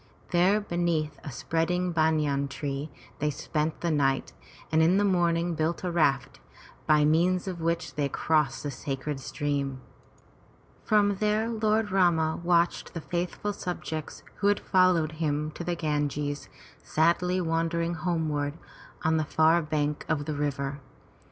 There beneath a spreading banyan tree they spent the night and in the morning built a raft, by means of which they crossed the sacred stream. From there Lord Rama watched the faithful subjects who had followed him to Ganges, sadly wending homeward on the far bank of the river.